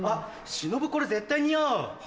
忍これ絶対似合う。